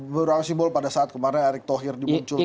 berurang simbol pada saat kemarin arik thohir dimunculkan